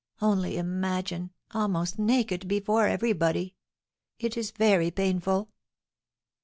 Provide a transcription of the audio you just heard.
Only imagine, almost naked before everybody! It is very painful."